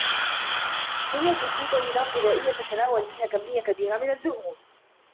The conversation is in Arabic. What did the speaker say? حمية الكيتو نظام غذائية تتناول فيه كمية كبيرة من الدهون